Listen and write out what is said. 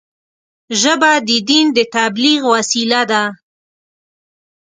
ژبه د دین د تبلیغ وسیله ده